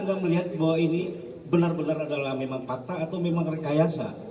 anda melihat bahwa ini benar benar adalah memang patah atau memang rekayasa